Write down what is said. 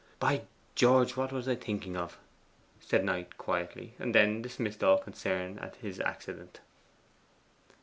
'By George! what was I thinking of?' said Knight quietly; and then dismissed all concern at his accident.